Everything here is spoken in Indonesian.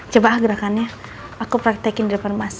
coba gerakannya aku praktekin depan masa